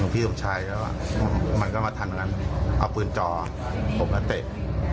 พี่สมชายเขามาทันกันเอาปืนจอผมก็เตะ